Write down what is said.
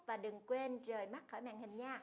và đừng quên rời mắt khỏi màn hình nha